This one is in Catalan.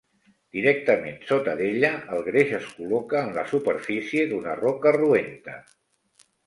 Directament sota d'ella, el greix es col·loca en la superfície d'una roca roenta.